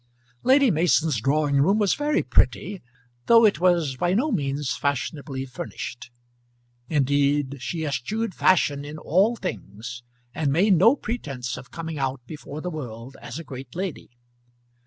Lady Mason's drawing room was very pretty, though it was by no means fashionably furnished. Indeed, she eschewed fashion in all things, and made no pretence of coming out before the world as a great lady.